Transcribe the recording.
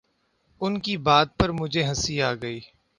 ان کی بات پر مجھے ہنسی آ گئی